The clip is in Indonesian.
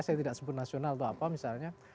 saya tidak sebut nasional atau apa misalnya